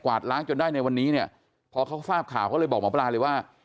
ล้างจนได้ในวันนี้เนี่ยพอเขาทราบข่าวเขาเลยบอกหมอปลาเลยว่า